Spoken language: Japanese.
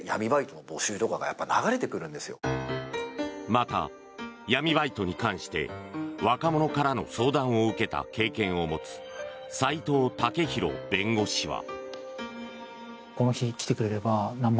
また、闇バイトに関して若者からの相談を受けた経験を持つ齋藤健博弁護士は。